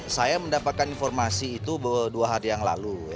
saya mendapatkan informasi itu dua hari yang lalu